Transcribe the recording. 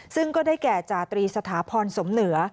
ซึ่งก็ได้แก่จาตรีสถาพรสมเหนือ